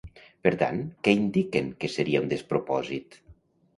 Per tant, què indiquen que seria un despropòsit?